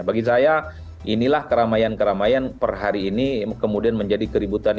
bagi saya inilah keramaian keramaian per hari ini kemudian menjadi keributan